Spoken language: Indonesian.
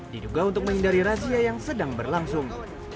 diduga untuk menghindari razia yang sedang berlangsung